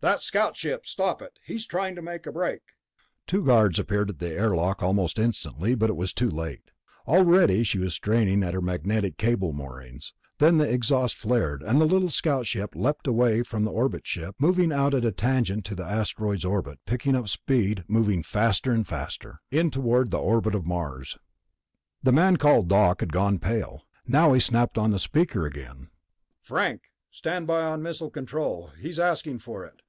"That scout ship ... stop it! He's trying to make a break!" Two guards appeared at the lock almost instantly, but it was too late. Already she was straining at her magnetic cable moorings; then the exhaust flared, and the little scout ship leaped away from the orbit ship, moving out at a tangent to the asteroid's orbit, picking up speed, moving faster and faster.... In toward the orbit of Mars. The man called Doc had gone pale. Now he snapped on the speaker again. "Frank? Stand by on missile control. He's asking for it."